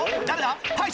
誰だ？